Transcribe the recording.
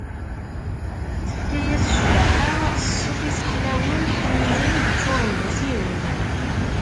Tefka-as cbaḥa s ssut-is ḥlawen ḥninen i yeččuren d asirem.